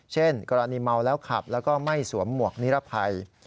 เช่นกรณีเมาแล้วขับแล้วก็ไม่สวมหมวกนิรภัย